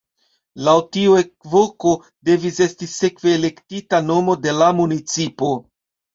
Laŭ tiu ekvoko devis esti sekve elektita nomo de la municipo.